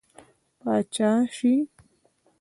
پاچا شي.